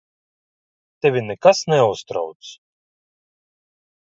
Tevi nekas neuztrauc.